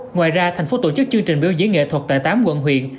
ngoài ra thành phố tổ chức chương trình biểu diễn nghệ thuật tại tám quận huyện